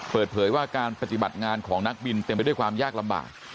เปิดเผยว่าการปฏิบัติงานของนักบินเต็มไปด้วยความยากลำบาก